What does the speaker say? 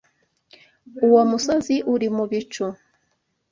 Uwo musozi uri mubicu.